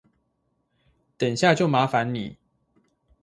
等下就麻煩你